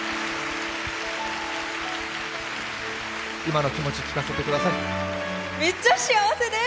今の気持ち、聞かせてください。